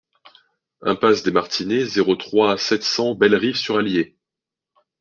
Impasse des Martinets, zéro trois, sept cents Bellerive-sur-Allier